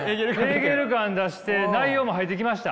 ヘーゲル感出して内容も入ってきました？